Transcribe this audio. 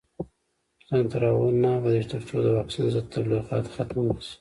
افغانستان تر هغو نه ابادیږي، ترڅو د واکسین ضد تبلیغات ختم نشي.